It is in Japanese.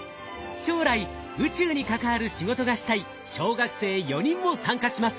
将来宇宙に関わる仕事がしたい小学生４人も参加します。